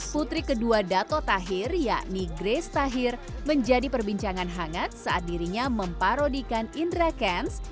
putri kedua dato tahir yakni grace tahir menjadi perbincangan hangat saat dirinya memparodikan indra kents